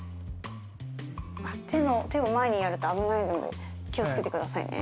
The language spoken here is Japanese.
手を前にやると危ないので気を付けてくださいね。